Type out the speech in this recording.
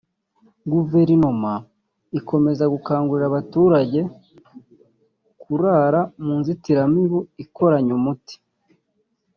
Guverinoma ikomeza gukangurira abaturage kurara mu nzitiramubu ikoranye umuti